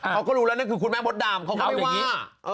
เขาก็รู้แล้วนั่นคือคุณแม่บทดามเขาก็ไม่ว่า